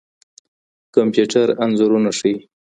کمپيوټر انځورونه ښيي.